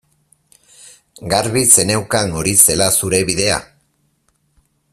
Garbi zeneukan hori zela zure bidea?